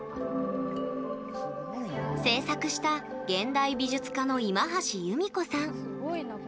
制作した現代美術家の今橋由美子さん。